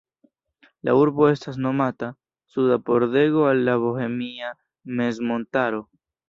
La urbo estas nomata "Suda pordego al la Bohemia mezmontaro".